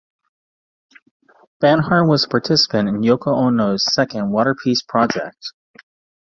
Banhart was a participant in Yoko Ono's second "Water Piece" project.